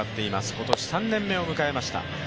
今年３年目を迎えました。